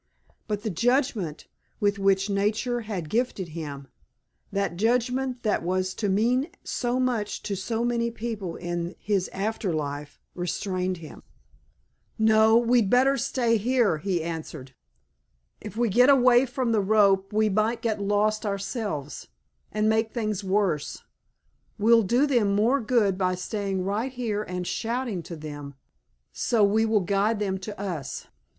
But the judgment with which nature had gifted him, that judgment that was to mean so much to so many people in his after life, restrained him. "No, we'd better stay here," he answered. "If we get away from the rope we might get lost ourselves, and make things worse. We'll do them more good by staying right here and shouting to them so we will guide them to us.